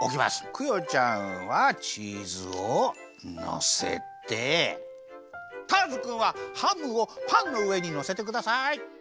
クヨちゃんはチーズをのせてターズくんはハムをパンのうえにのせてください！